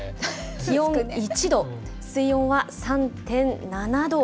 気温１度、水温は３．７度。